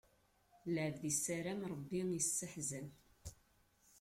Lɛebd issaram, Ṛebbi isseḥzam.